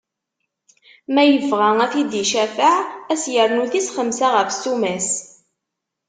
Ma yebɣa ad t-id-icafeɛ, ad s-irnu tis xemsa ɣef ssuma-s.